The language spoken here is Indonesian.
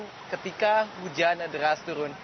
dan ketika hujan deras turun